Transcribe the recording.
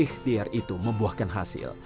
ikhtiar itu membuahkan hasil